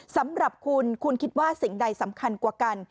สำหรับคุณคุณคิดว่าสิ่งใดสำคัญกว่ากัน